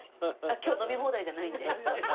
今日飲み放題じゃないんで。